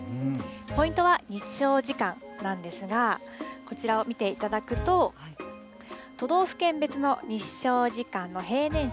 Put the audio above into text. ポイントは日照時間なんですが、こちらを見ていただくと、都道府県別の日照時間の平年値